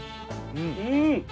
うん！